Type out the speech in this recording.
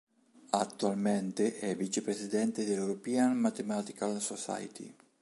Attualmente è vicepresidente della European Mathematical Society.